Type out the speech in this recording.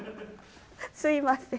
すいません。